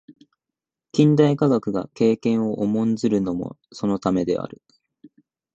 近代科学が経験を重んずるのもそのためである。